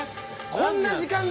こんな時間だ。